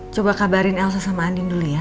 coba kabarin elsa sama andin dulu ya